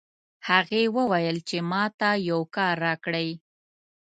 هغې وویل چې ما ته یو کار راکړئ